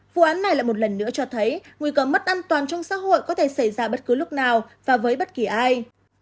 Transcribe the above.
vụ án này lại một lần nữa cho thấy nguy cơ mất an toàn trong xã hội có thể xảy ra bất cứ lúc nào và với bất kỳ ai